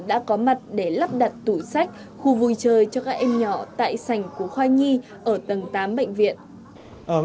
đã có mặt để lắp đặt tủ sách khu vui chơi cho các em nhỏ tại sành của khoai nhi ở tầng tám bệnh viện